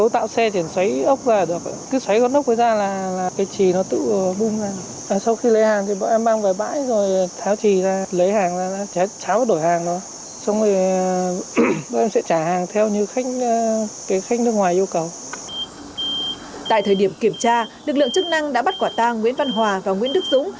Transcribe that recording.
tại thời điểm kiểm tra lực lượng chức năng đã bắt quả tang nguyễn văn hòa và nguyễn đức dũng